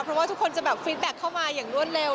เพราะว่าทุกคนจะแบบฟิตแบ็คเข้ามาอย่างรวดเร็ว